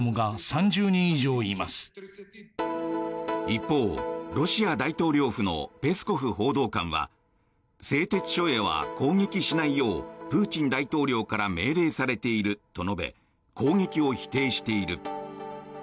一方、ロシア大統領府のペスコフ報道官は製鉄所へは攻撃しないようプーチン大統領から命令されていると述べ攻撃を否定している。